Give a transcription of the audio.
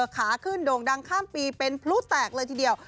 ขาขึ้นโด่งดังข้ามปีเป็นพลุแตกเลยทีเดียว